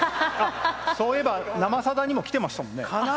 そういえば「生さだ」にも来てましたね。